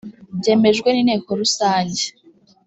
byemejwe n inteko rusange